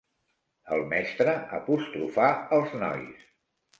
El mestre apostrofà els nois.